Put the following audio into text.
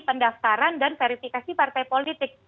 pendaftaran dan verifikasi partai politik